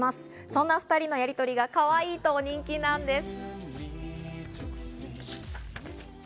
そんな２人のやりとりがかわいいと人気なんです。